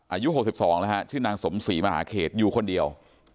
อายุ๖๒นะฮะชื่อนางสมศรีมหาเขตอยู่คนเดียว